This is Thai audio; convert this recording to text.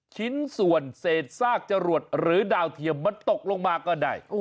ชิ้นส่วนเศษซากจรวดหรือดาวเทียมมันตกลงมาก็ได้